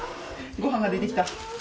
ごはんが出てきた。